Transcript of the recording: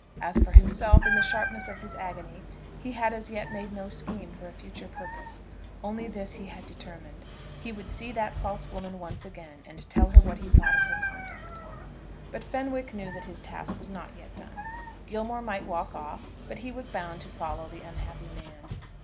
As for himself, in the sharpness of his agony he had as yet made no scheme for a future purpose. Only this he had determined. He would see that false woman once again, and tell her what he thought of her conduct. But Fenwick knew that his task was not yet done. Gilmore might walk off, but he was bound to follow the unhappy man.